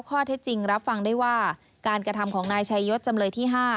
ข้อเท็จจริงรับฟังได้ว่าการกระทำของนายชายศจำเลยที่๕